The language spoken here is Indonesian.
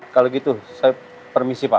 kalau gitu saya permisi pak